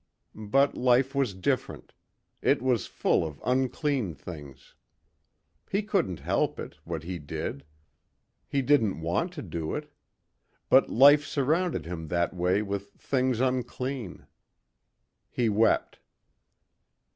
But life was different. It was full of unclean things. He couldn't help it, what he did. He didn't want to do it. But life surrounded him that way with things unclean. He wept.